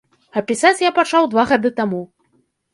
А пісаць я пачаў два гады таму.